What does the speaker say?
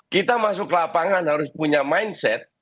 kita masuk ke lapangan harus punya mindset